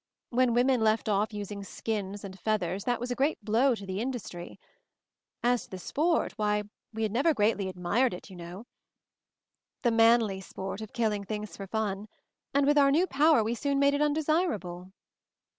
When women left off using skins and feathers, that was a great blow to the industry. As to the sport, why, we had never greatly admired it, you know — the manly sport of killing things for fun — and with our new power we soon made it undesirable."